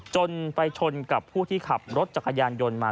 จนไปชนกับผู้ที่ขับรถจักรยานยนต์มา